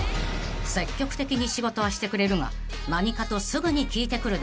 ［積極的に仕事はしてくれるが何かとすぐに聞いてくる男性］